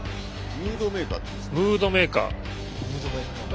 ムードメーカー？